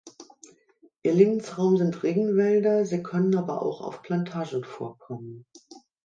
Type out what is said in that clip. Ihr Lebensraum sind Regenwälder, sie können aber auch auf Plantagen vorkommen.